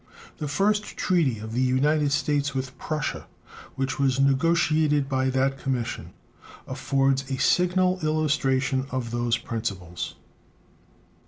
The first treaty of the United States with Prussia, which was negotiated by that commission, affords a signal illustration of those principles.